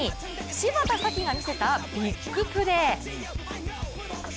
芝田沙季が見せたビッグプレー。